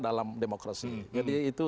dalam demokrasi jadi itu